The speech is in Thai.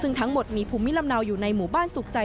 ซึ่งทั้งหมดมีภูมิลำเนาอยู่ในหมู่บ้านสุขใจ